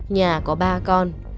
nhà có ba con